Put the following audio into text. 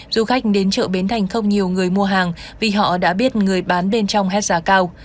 du khách đến chợ bến thành không nhiều người mua hàng vì họ đã biết người bán bên trong hết giá cao